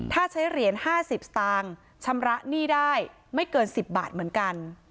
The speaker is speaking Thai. ถ้าใช้เหรียญ๕๐สตางค์ชำระหนี้ได้ไม่เกิน๑๐บาทเหมือนกัน